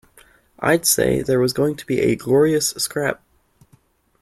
I'd say there was going to be a glorious scrap.